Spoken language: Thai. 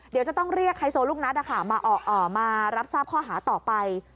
เดี๋ยวจะต้องเรียกไฮโซลูกนัดมารับทราบข้อหาต่อไป